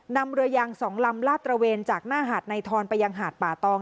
นำเรือยาง๒ลำลาดตระเวนจากหน้าหาดในทอนไปยังหาดป่าตอง